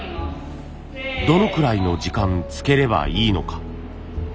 どのくらいの時間つければいいのか。